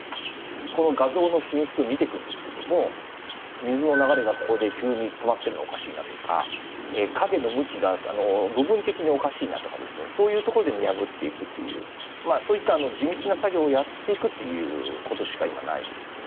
この画像の品質を見ていくんですけども水の流れが、ここで急に止まってるのおかしいなとか影の向きが部分的におかしいなとかですねそういうところで見破っていくというそういった地道な作業をやっていくということしか今、ないんですね。